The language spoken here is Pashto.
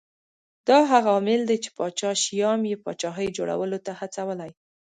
دا هغه عامل دی چې پاچا شیام یې پاچاهۍ جوړولو ته هڅولی